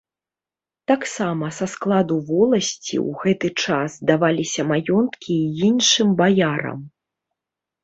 Таксама са складу воласці ў гэты час даваліся маёнткі і іншым баярам.